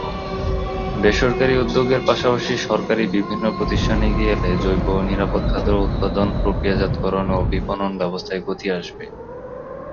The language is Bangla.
বেসরকারি উদ্যোগের পাশাপাশি সরকারি বিভিন্ন প্রতিষ্ঠান এগিয়ে এলে জৈব ও নিরাপদ খাদ্য উৎপাদন, প্রক্রিয়াজাতকরণ ও বিপণন ব্যবস্থায় গতি আসবে।